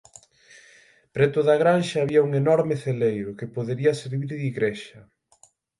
Preto da granxa había un enorme celeiro, que podería servir de igrexa.